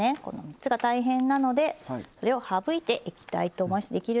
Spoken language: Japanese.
この３つが大変なのでこれを省いていきたいと思います。